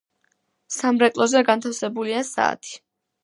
სამრეკლოზე განთავსებულია საათი.